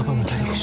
papa minta yusuf